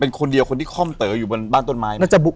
เป็นคนเดียวคนที่ค่อมเต๋ออยู่บนบ้านต้นไม้